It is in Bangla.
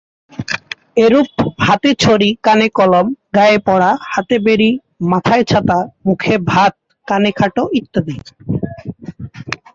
এরূপ- হাতে-ছড়ি, কানে-কলম, গায়ে-পড়া, হাতে-বেড়ি, মাথায়-ছাতা, মুখে-ভাত, কানে-খাটো ইত্যাদি।